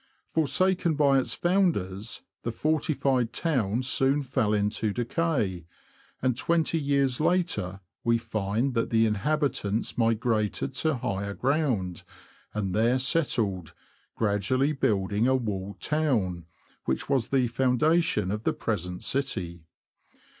Forsaken by its founders, the fortified town soon fell into decay ; and twenty years later we find that the inhabitants migrated to higher ground, and there settled, gradually building a walled town, which was the foundation of the present city.